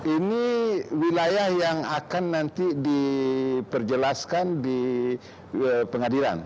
ini wilayah yang akan nanti diperjelaskan di pengadilan